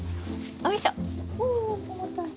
よいしょ！